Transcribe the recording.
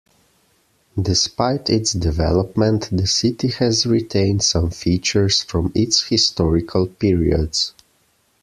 Despite its development, the city has retained some features from its historical periods.